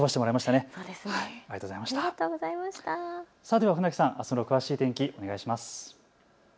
では船木さん、あすの詳しい天気お願いします。